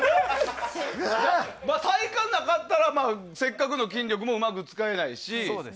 体幹がなかったらせっかくの筋力もうまく使えないし。